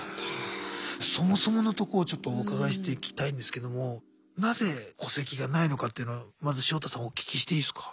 そもそものとこをちょっとお伺いしていきたいんですけどもなぜ戸籍がないのかというのはまずショウタさんお聞きしていいですか？